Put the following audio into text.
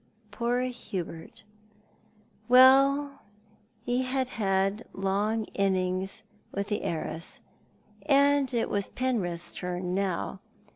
Poor Hubert! Well, he had had a long innings with the heiress ; and it was Penrith's turn now.